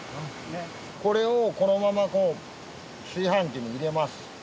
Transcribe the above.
これをこのままこう炊飯器に入れます。